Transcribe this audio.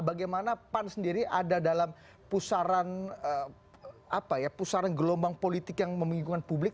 bagaimana pan sendiri ada dalam pusaran pusaran gelombang politik yang membingungkan publik